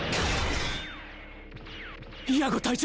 イアゴ隊長。